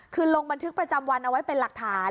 คือลงบันทึกประจำวันเอาไว้เป็นหลักฐาน